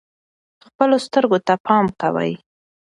خپلو سترګو ته پام کوئ.